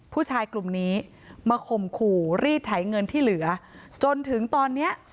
ผู้ชายกลุ่มนี้มาข่มขู่รีดไถเงินที่เหลือจนถึงตอนเนี้ย